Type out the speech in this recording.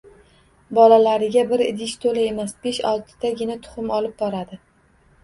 Bolalariga bir idish to‘la emas, besh-oltitagina tuxum olib boradi